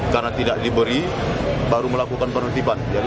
karena tidak diberi baru melakukan penerbangan